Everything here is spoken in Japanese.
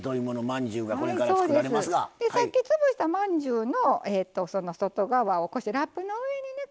さっき潰したまんじゅうの外側をラップの上にね